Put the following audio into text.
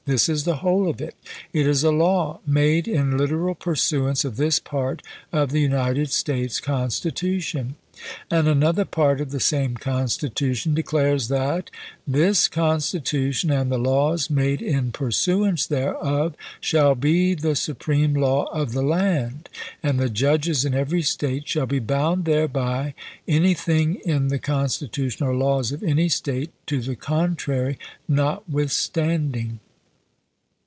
This is the whole of it. It is a law made in literal pursuance of this part of the United States Con stitution ; and another part of the same Constitu tion declares that 6 this Constitution, and the laws made in pursuance thereof, ... shall be the su preme law of the land, and the judges in every State shall be bound thereby, anything in the Con stitution or laws of any State to the contrary not withstanding.'